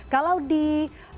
kalau di jakarta